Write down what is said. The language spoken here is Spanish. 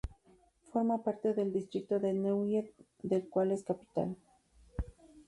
Forma parte del distrito de Neuwied, del cual es capital.